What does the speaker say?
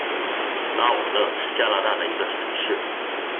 拉瓦勒是加拿大的一个城市。